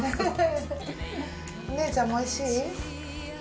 お姉ちゃんも美味しい？